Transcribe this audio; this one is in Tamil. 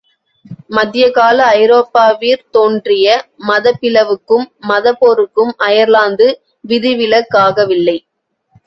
மத்தியகால ஐரோப்பாவிற் தோன்றிய மதப்பிளவுக்கும் மதப்போருக்கும் அயர்லாந்து விதிவிலக்காகவில்லை.